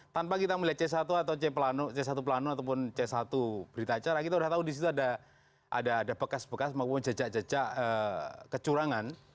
tanpa kita melihat c satu atau c satu plano ataupun c satu berita acara kita sudah tahu di situ ada bekas bekas maupun jejak jejak kecurangan